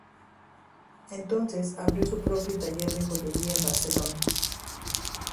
Entonces abrió su propio taller de joyería en Barcelona.